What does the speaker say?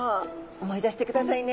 思い出してくださいね。